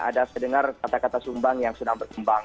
ada saya dengar kata kata sumbang yang sedang berkembang